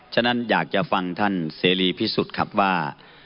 ฉะนั้นอยากจะฟังท่านเสรีพิสุทธิ์ครับว่า